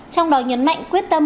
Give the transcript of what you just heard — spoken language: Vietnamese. trong đòi nhấn mạnh quyết tâm